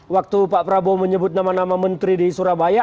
waktu pak prabowo menyebut nama nama menteri di surabaya